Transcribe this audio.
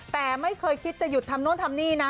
แต่ไม่เคยคิดจะหยุดทำโน่นทำนี่นะ